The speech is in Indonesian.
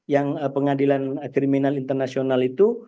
yang pengadilan kriminal internasional itu